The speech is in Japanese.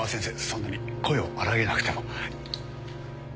そんなに声を荒らげなくても。